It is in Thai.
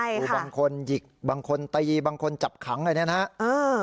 ครูบางคนหยิกบางคนตะยีบางคนจับขังอะไรอย่างนี้นะฮะ